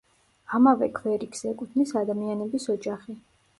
ამავე ქვერიგს ეკუთვნის ადამიანების ოჯახი.